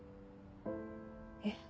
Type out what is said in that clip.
えっ？